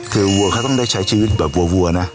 คือวัวเขาต้องได้ใช้ชีวิตแบบวัวนะ